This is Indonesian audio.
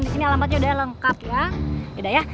disini alamatnya udah lengkap ya